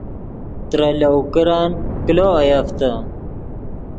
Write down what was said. ترے لَوْکرن کلو اویفتے